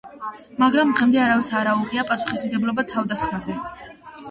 მაგრამ დღემდე არავის არ აუღია პასუხისმგებლობა თავდასხმაზე.